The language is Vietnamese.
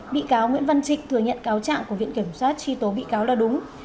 bị cáo nguyễn văn trịnh thừa nhận cáo trạng của viện kiểm soát truy tố bị cáo là đúng